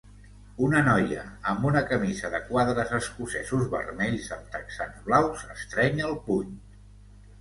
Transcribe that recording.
Una noia amb una camisa de quadres escocesos vermells amb texans blaus estreny el puny.